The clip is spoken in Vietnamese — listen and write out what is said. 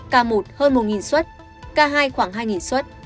ca một hơn một suất ca hai khoảng hai suất